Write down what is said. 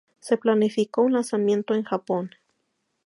Se planificó un lanzamiento en Japón.